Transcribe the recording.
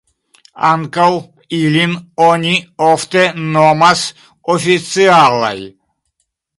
Ankaŭ ilin oni ofte nomas oficialaj.